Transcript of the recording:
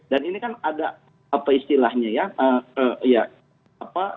dan ini kan ada apa istilahnya ya